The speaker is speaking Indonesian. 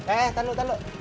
eh ternyata lo